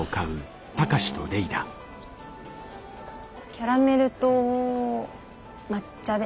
キャラメルと抹茶で。